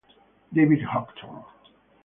David Hodgson